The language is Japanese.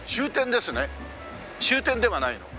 終点ではないの？